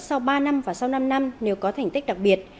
sau ba năm và sau năm năm nếu có thành tích đặc biệt